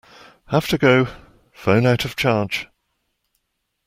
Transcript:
Have to go; phone out of charge.